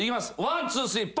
ワンツースリー」